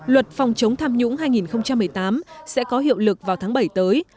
luật phòng chống tham nhũng hai nghìn một mươi tám sẽ có hiệu lực vào tháng bảy tới